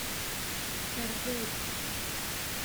Terba-d.